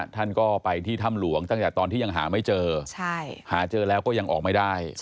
ท่านก็ไปที่ถ้ำหลวงตั้งแต่ตอนที่ยังหาไม่เจอหาเจอแล้วก็ยังออกไม่ได้